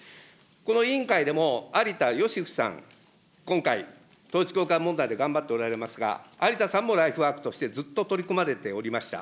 この委員会でも有田芳生さん、今回、統一教会問題で頑張っておられますが、有田さんもライフワークとして、ずっと取り組まれておりました。